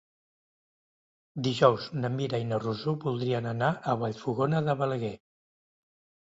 Dijous na Mira i na Rosó voldrien anar a Vallfogona de Balaguer.